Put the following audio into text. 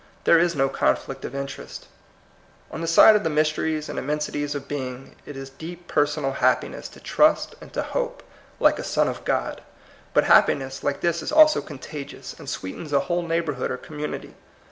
There is no conflict of interests. On the side of the mysteries and im mensities of being, it is deep personal hap piness to trust and to hope, like a son of God. But happiness like this is also con tagious, and sweetens a whole neighbor hood or community.